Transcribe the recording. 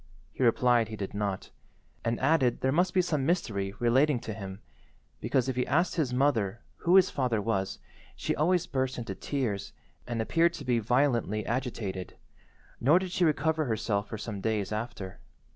He replied he did not, and added there must be some mystery relating to him, because if he asked his mother who his father was she always burst into tears and appeared to be violently agitated, nor did she recover herself for some days after.